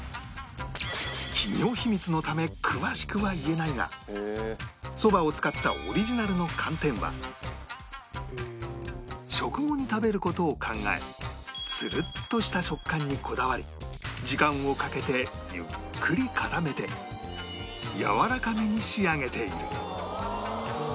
企業秘密のため詳しくは言えないが蕎麦を使ったオリジナルの寒天は食後に食べる事を考えツルッとした食感にこだわり時間をかけてゆっくり固めてやわらかめに仕上げている